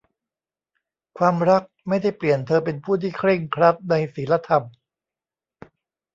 ความรักไม่ได้เปลี่ยนเธอเป็นผู้ที่เคร่งครัดในศีลธรรม